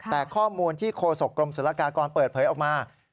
แต่ข้อมูลที่โฆษกรมศุลกากรเปิดเผยออกมา